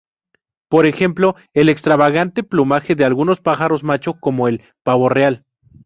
Por ejemplo, el extravagante plumaje de algunos pájaros macho como el pavo real.